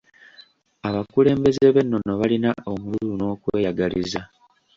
Abakulembeze b'ennono balina omululu n'okweyagaliza.